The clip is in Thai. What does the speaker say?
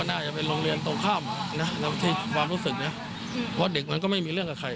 อาจจะเป็นโรงเรียนตกข้ามและที่ความรู้สึกคิดเพราะเด็กประกอบแรดก็ไม่คุณไปใคร